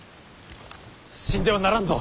死んではならんぞ！